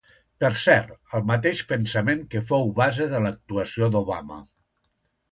Per cert, el mateix pensament que fou base de l'actuació d'Obama.